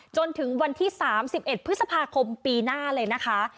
จนถึงวันที่๓๑พฤษภาคมปีหน้าเลยนะคะ